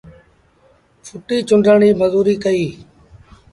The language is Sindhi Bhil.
ڦٽيٚ چونڊڻ ريٚ مزوريٚ ڪئيٚ۔